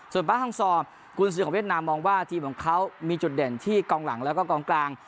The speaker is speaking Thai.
ส่วนป้าฮังซอมกุญสือของเวียดนามมองว่าทีมของเขามีจุดเด่นที่กองหลังแล้วก็กองกลาง